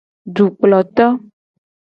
Dukploto.